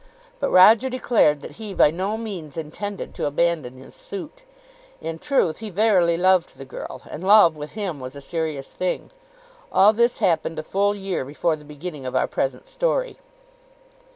But Roger declared that he by no means intended to abandon his suit. In truth he verily loved the girl, and love with him was a serious thing. All this happened a full year before the beginning of our present story.